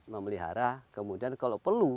memelihara kemudian kalau perlu